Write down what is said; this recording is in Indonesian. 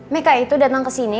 meka itu datang kesini